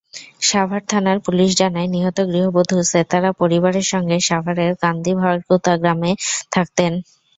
সাভার থানার পুলিশ জানায়, নিহত গৃহবধূ সেতারা পরিবারের সঙ্গে সাভারের কান্দিভাকুর্তা গ্রামে থাকতেন।